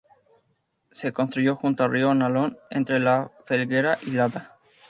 Se construyó junto al río Nalón entre La Felguera y Lada.